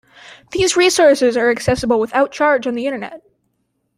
These resources are accessible without charge on the internet.